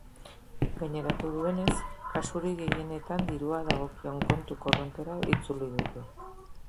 Gaineratu duenez, kasurik gehienetan dirua dagokion kontu korrontera itzuli dute.